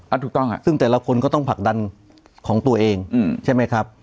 ถูกต้องฮะซึ่งแต่ละคนก็ต้องผลักดันของตัวเองใช่ไหมครับ